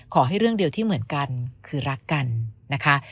ขอให้เรื่องเดียวที่เหมือนกันคือรักกันนะคะ